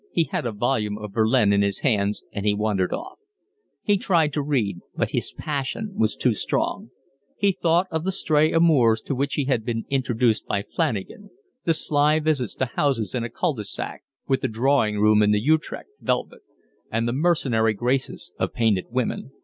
He had a volume of Verlaine in his hands, and he wandered off. He tried to read, but his passion was too strong. He thought of the stray amours to which he had been introduced by Flanagan, the sly visits to houses in a cul de sac, with the drawing room in Utrecht velvet, and the mercenary graces of painted women.